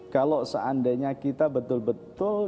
kalau seandainya kita betul betul